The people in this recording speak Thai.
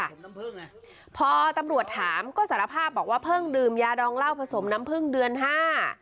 น้ำพึ่งอ่ะพอตำรวจถามก็สารภาพบอกว่าเพิ่งดื่มยาดองเหล้าผสมน้ำพึ่งเดือนห้า